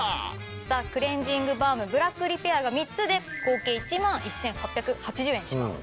ザクレンジングバームブラックリペアが３つで合計１万１８８０円します。